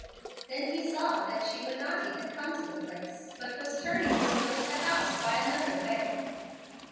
Then he saw that she would not even come to the place, but was turning to go to the house by another way.